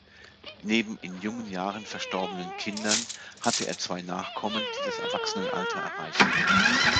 Neben in jungen Jahren verstorbenen Kindern hatte er zwei Nachkommen, die das Erwachsenenalter erreichten.